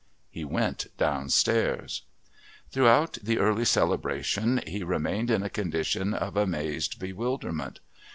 He went downstairs. Throughout the Early Celebration he remained in a condition of amazed bewilderment.